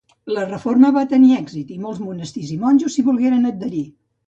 La reforma va tenir èxit i molts monestirs i monjos s'hi volgueren adherir.